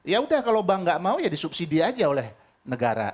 ya udah kalau bank gak mau ya disubsidi aja oleh negara